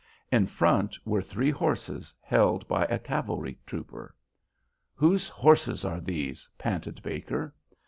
In front were three horses held by a cavalry trooper. "Whose horses are these?" panted Baker.